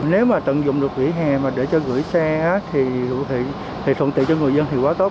nếu mà tận dụng được vỉa hè mà để cho gửi xe thì thuận tự cho người dân hiệu quả tốt